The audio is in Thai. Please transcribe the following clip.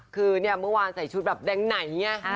คือเนี่ยเมื่อวานใส่ชุดแบบแดงไหนไง